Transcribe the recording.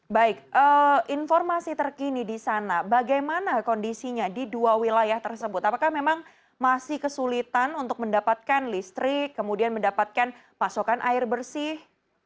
baik informasi terkini di sana bagaimana kondisinya di dua wilayah tersebut apakah memang masih kesulitan untuk mendapatkan listrik kemudian mendapatkan pasokan air bersih